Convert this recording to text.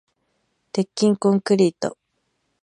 鉄筋コンクリート